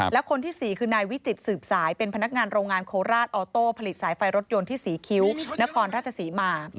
และคนที่๔คือนายวิจิตสืบสายเป็นพนักงานโรงงานโคราชออโต้ผลิตสายไฟรถยนต์ที่ศรีคิ้วนครราชศรีมา